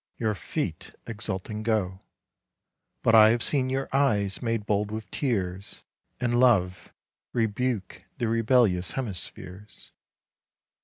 Your feet exulting go. But I have seen your eyes made bold with tears And love, rebuke the rebellious hemispheres.